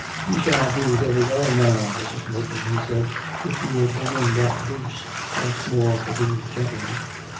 " We shall do very well now, Mrs. Merton," he said, " if you will bring in that goose once more for these gentle men."